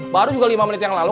baru juga lima menit yang lalu